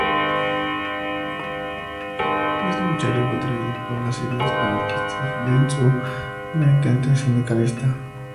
Desde muchacho fue atraído por las ideas anarquistas en su vertiente sindicalista.